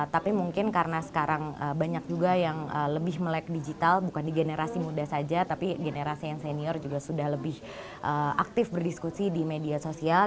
tapi mungkin karena sekarang banyak juga yang lebih melek digital bukan di generasi muda saja tapi generasi yang senior juga sudah lebih aktif berdiskusi di media sosial